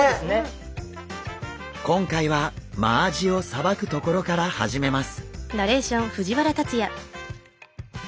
今回はマアジをさばくところから始めます。